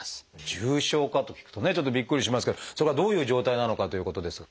重症化と聞くとねちょっとびっくりしますけどそれがどういう状態なのかということですが。